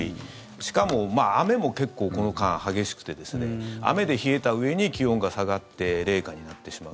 しかも、雨も結構この間激しくて雨で冷えたうえに気温が下がって零下になってしまう。